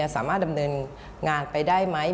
สามารถดำเนินงานไปได้ไหม